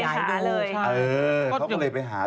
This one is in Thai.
ใช่เขาก็เลยไปหาดู